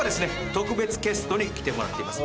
特別ゲストに来てもらっています。